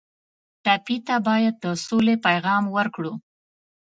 ټپي ته باید د سولې پیغام ورکړو.